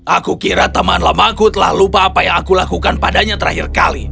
aku kira teman lamaku telah lupa apa yang aku lakukan padanya terakhir kali